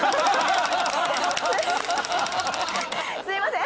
すいません。